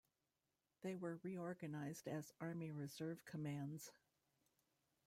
They were reorganized as Army Reserve Commands.